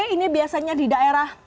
ini biasanya di daerah